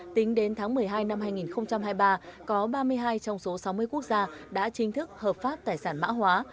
tính đến tháng một mươi hai năm hai nghìn hai mươi ba có ba mươi hai trong số sáu mươi quốc gia đã chính thức hợp pháp tài sản mã hóa